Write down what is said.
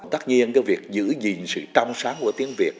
tất nhiên cái việc giữ gìn sự trong sáng của tiếng việt